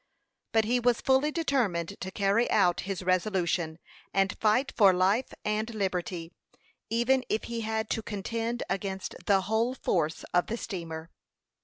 But he was fully determined to carry out his resolution, and fight for life and liberty, even if he had to contend against the whole force of the steamer.